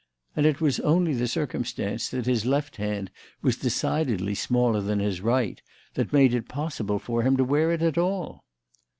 And it was only the circumstance that his left hand was decidedly smaller than his right that made it possible for him to wear it at all."